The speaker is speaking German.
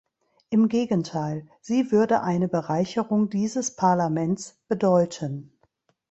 Im Gegenteil, sie würde eine Bereicherung dieses Parlaments bedeuten.